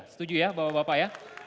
setuju ya bapak bapak ya